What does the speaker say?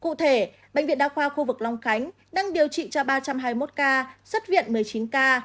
cụ thể bệnh viện đa khoa khu vực long khánh đang điều trị cho ba trăm hai mươi một ca xuất viện một mươi chín ca